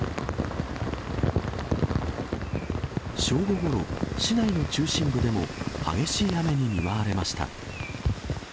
正午ごろ、市内の中心部でも激しい雨に見舞われました。